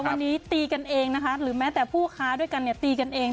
วันนี้ตีกันเองนะคะหรือแม้แต่ผู้ค้าด้วยกันเนี่ยตีกันเอง